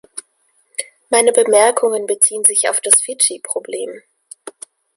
Meine Bemerkungen beziehen sich auf das Fidschi-Problem.